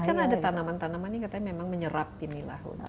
tapi kan ada tanaman tanaman yang katanya memang menyerap ini lah